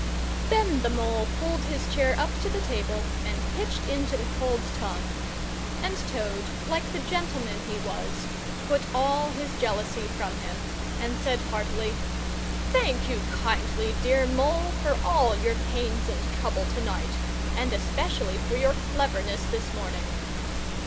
Then the Mole pulled his chair up to the table, and pitched into the cold tongue; and Toad, like the gentleman he was, put all his jealousy from him, and said heartily, "Thank you kindly, dear Mole, for all your pains and trouble tonight, and especially for your cleverness this morning!"